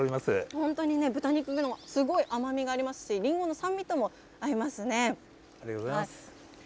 本当にね、豚肉のすごい甘みがありますし、リンゴの酸味ともありがとうございます。